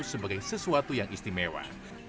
sebagai sesuatu yang istimewa